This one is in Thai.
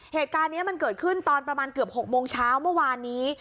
เหตุการณ์นี้มันเกิดขึ้นตอนประมาณเกือบ๖โมงเช้าเมื่อวานนี้